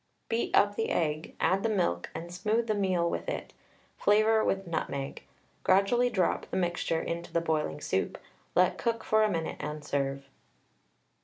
Beat up the egg, add the milk and smooth the meal with it, flavour with nutmeg. Gradually drop the mixture into the boiling soup, let cook for a minute, and serve.